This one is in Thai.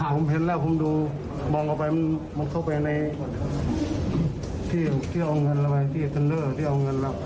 ผมเห็นแล้วผมดูมองออกไปมันเข้าไปในที่เอาเงินเราไปที่เทรนเนอร์ที่เอาเงินแล้ว